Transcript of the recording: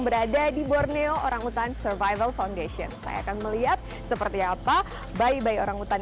berada di borneo orangutan survival foundation saya akan melihat seperti apa bayi bayi orangutan